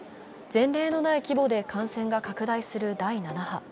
前例のない規模で感染が拡大する第７波。